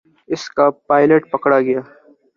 اس کا پائلٹ پکڑا گیا۔